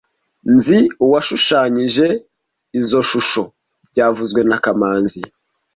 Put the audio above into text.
Nzi uwashushanyije izoi shusho byavuzwe na kamanzi